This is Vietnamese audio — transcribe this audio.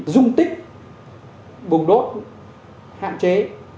dung tích bồn đốt hạn chế